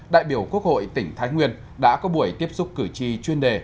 đại biểu quốc hội tỉnh thái nguyên đã có buổi tiếp xúc cử tri chuyên đề